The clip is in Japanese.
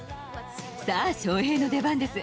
さあ、翔平の出番です。